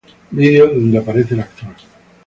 Video donde aparece el actor